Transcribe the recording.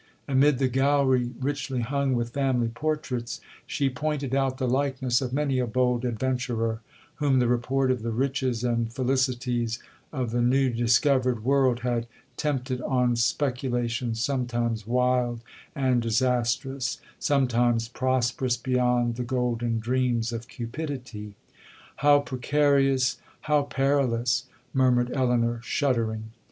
Amid the gallery richly hung with family portraits, she pointed out the likeness of many a bold adventurer, whom the report of the riches and felicities of the new discovered world had tempted on speculations sometimes wild and disastrous, sometimes prosperous beyond the golden dreams of cupidity. 'How precarious!—how perilous!' murmured Elinor, shuddering.